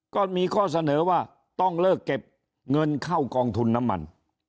ก็มีข้อเสนอว่าต้องเลิกเก็บเงินเข้ากองทุนน้ำมัน